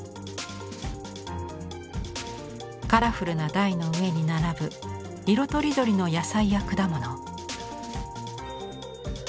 カラフルな台の上に並ぶ色とりどりの野菜や果物。